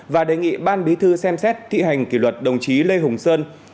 và đề nghị ban bí thư xem xét thi hành kỷ luật đồng chí lê hùng sơn